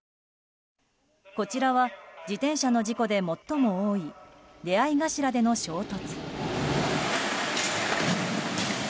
こちらは自転車の事故で最も多い出合い頭での衝突。